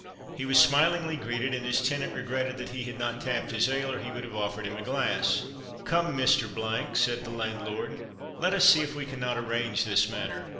He was smilingly greeted, and his tenant regretted that he had not tapped his ale, or he would have offered him a glass. "Come, Mr. ," said the landlord, "let us see if we cannot arrange this matter.